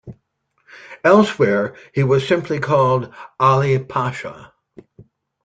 Elsewhere he was simply called "Ali Pasha".